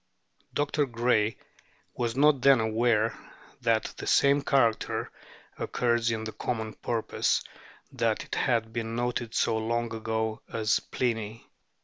Dr. Gray was not then aware that the same character occurs in the common Porpoise, that it had been noted so long ago as Pliny.